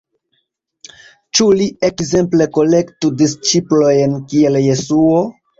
Ĉu li, ekzemple, kolektu disĉiplojn kiel Jesuo?